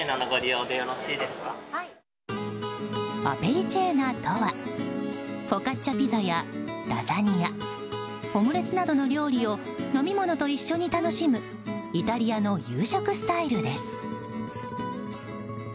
アペリチェーナとはフォカッチャピザやラザニア、オムレツなどの料理を飲み物と一緒に楽しむイタリアの夕食スタイルです。